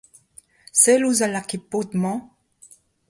Sell ouzh al lakepod-mañ !